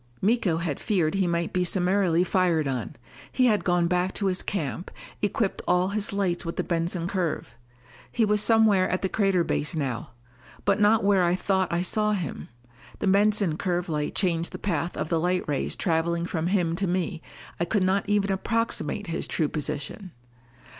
Miko had feared he might be summarily fired on. He had gone back to his camp, equipped all his lights with the Benson curve. He was somewhere at the crater base now. But not where I thought I saw him! The Benson curve light changed the path of the light rays traveling from him to me, I could not even approximate his true position!